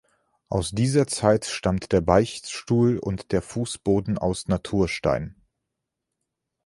Aus dieser Zeit stammt der Beichtstuhl und der Fußboden aus Naturstein.